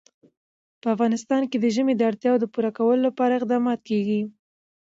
په افغانستان کې د ژمی د اړتیاوو پوره کولو لپاره اقدامات کېږي.